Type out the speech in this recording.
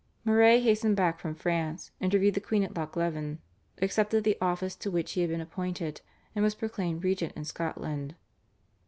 Moray hastened back from France, interviewed the queen at Loch Leven, accepted the office to which he had been appointed, and was proclaimed regent in Scotland.